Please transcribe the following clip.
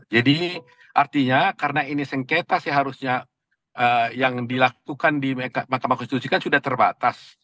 jadi artinya karena ini sengketa sih harusnya yang dilakukan di mahkamah konstitusi kan sudah terbatas